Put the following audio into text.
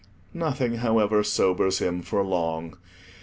Nothing, however, sobers him for long.